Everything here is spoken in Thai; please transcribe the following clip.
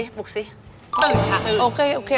ตึงค่ะ